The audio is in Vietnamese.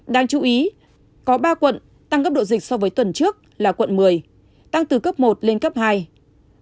đáng chú ý có ba quận tăng cấp độ dịch so với tuần trước là quận một mươi tăng từ cấp một lên cấp hai